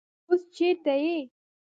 تۀ اوس چېرته يې ؟